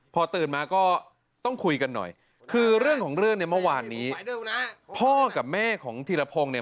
พอตื่นมาก็ต้องคุยกันหน่อยคือเรื่องของเรื่องเนี่ยเมื่อวานนี้พ่อกับแม่ของธีรพงศ์เนี่ย